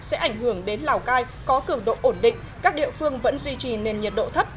sẽ ảnh hưởng đến lào cai có cường độ ổn định các địa phương vẫn duy trì nền nhiệt độ thấp